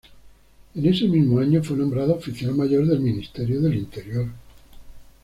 En ese mismo año fue nombrado oficial mayor del Ministerio del Interior.